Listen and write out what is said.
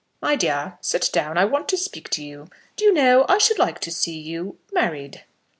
"My dear, sit down; I want to speak to you. Do you know I should like to see you married."